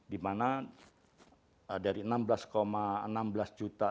di mana dari enam belas enam belas juta